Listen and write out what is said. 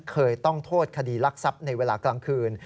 เคยต้องโทษคดีรักทรัพย์ในเวลากลางคืน